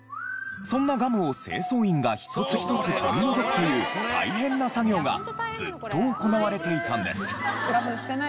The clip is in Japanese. そんなガムを清掃員が一つ一つ取り除くという大変な作業がずっと行われていたんです。